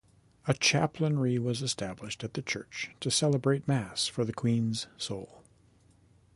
A chaplainry was established at the church to celebrate mass for the queen's soul.